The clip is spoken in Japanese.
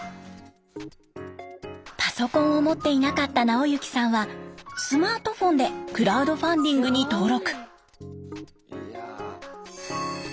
パソコンを持っていなかった直行さんはスマートフォンでクラウドファンディングに登録。